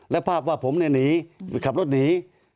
และภาพว่าผมเนี่ยหนีขับรถหนี